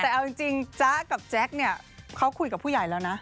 แต่เอาจริงจ๊ะกับแจ๊คเนี่ยเขาคุยกับผู้ใหญ่แล้วนะ